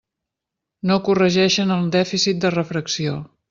No corregeixen el dèficit de refracció.